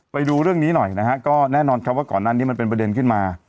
ไปดูเรื่องนี้หน่อยนะฮะก็แน่นอนครับว่าก่อนหน้านี้มันเป็นประเด็นขึ้นมา